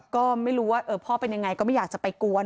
ก็ไม่รู้ว่าพ่อเป็นยังไงก็ไม่อยากจะไปกวน